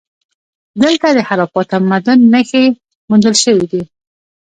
دلته د هراپا تمدن نښې موندل شوي دي